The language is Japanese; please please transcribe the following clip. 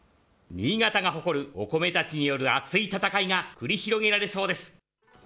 新潟が誇るお米たちによる熱い戦いが繰り広げられそうです。